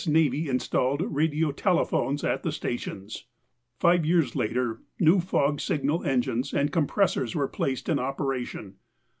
Navy installed radio telephones at the stations. (AR 1923: 13) Five years later, new fog signal engines and compressors were placed in operation.